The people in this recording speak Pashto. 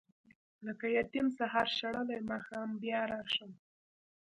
لکه یتیم سهار شړلی ماښام بیا راشم.